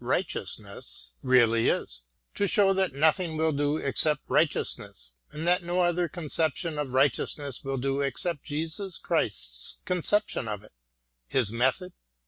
1 88 MATTHEW ARNOLD really is, to show that nothing will do except righteousness, and that no other conception of righteousness will do except Jesus Christ's con ception of it — His method.